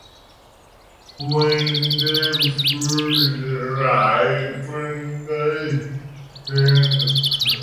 When the fruits ripen they turn purple.